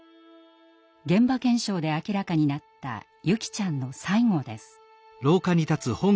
現場検証で明らかになった優希ちゃんの最期です。